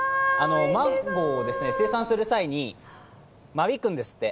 マンゴーを生産する際に間引くんですって。